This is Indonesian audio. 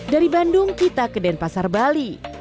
dari bandung kita ke denpasar bali